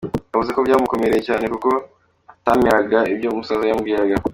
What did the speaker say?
Yavuze ko byamukomereye cyane kuko atemeraga ibyo musaza we yamubwiraga.